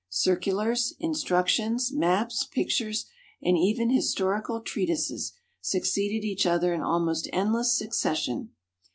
Circulars, instructions, maps, pictures, and even historical treatises, succeeded each other in almost endless succession.